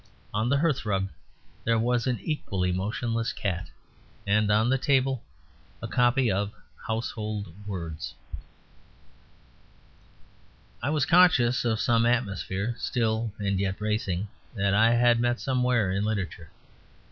On the hearthrug there was an equally motionless cat; and on the table a copy of 'Household Words'. I was conscious of some atmosphere, still and yet bracing, that I had met somewhere in literature.